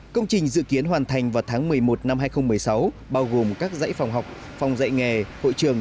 công trình dự kiến hoàn thành vào tháng một mươi một năm hai nghìn một mươi sáu bao gồm các giải phòng học phòng dạy nghề hội trường